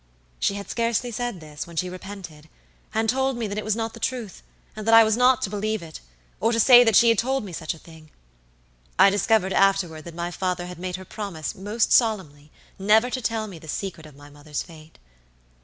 She had scarcely said this when she repented, and told me that it was not the truth, and that I was not to believe it, or to say that she had told me such a thing. I discovered afterward that my father had made her promise most solemnly never to tell me the secret of my mother's fate.